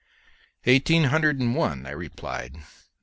"Eighteen hundred and one," I replied.